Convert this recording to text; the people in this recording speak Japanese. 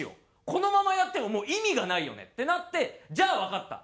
このままやってももう意味がないよねってなってじゃあわかった。